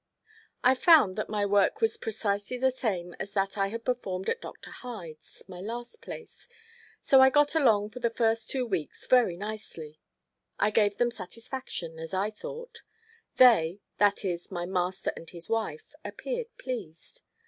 I found that my work was precisely the same as that I had performed at Dr. Hyde's, my last place, so I got along for the first two weeks very nicely. I gave them satisfaction, as I thought; they, that is my master and his wife, appeared pleased.